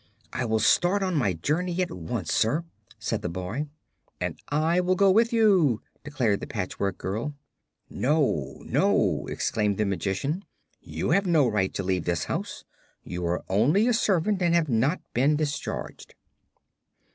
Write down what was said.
"I will start on my journey at once, sir," said the boy. "And I will go with you," declared the Patchwork Girl. "No, no!" exclaimed the Magician. "You have no right to leave this house. You are only a servant and have not been discharged."